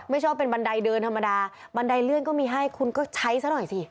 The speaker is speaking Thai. ชอบเป็นบันไดเดินธรรมดาบันไดเลื่อนก็มีให้คุณก็ใช้ซะหน่อยสิ